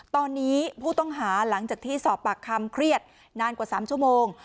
ตอนนี้ผู้ต้องหาหลังจากที่สอบปากคำเครียดนานกว่า๓ชั่วโมง